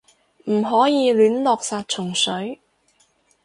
唔可以亂落殺蟲水